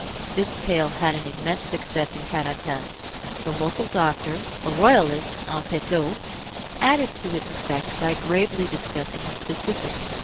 This tale had an immense success in Carentan. The local doctor, a Royalist in petto, added to its effect by gravely discussing the specific.